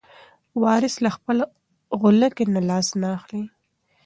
وارث له خپلې غولکې نه لاس نه اخلي.